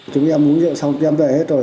chúng em uống rượu xong em về hết rồi